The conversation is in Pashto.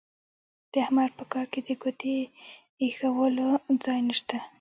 د احمد په کار کې د ګوتې اېښولو ځای نه شته.